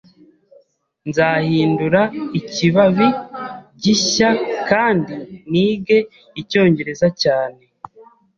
Nzahindura ikibabi gishya kandi nige Icyongereza cyane.